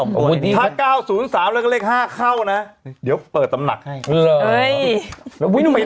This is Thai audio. มีเลขเข้า๒ตัวถ้า๙๐๓แล้วก็เลข๕เข้านะเดี๋ยวเปิดตำหนักให้